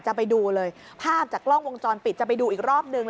จะไปดูเลยภาพจากกล้องวงจรปิดจะไปดูอีกรอบนึง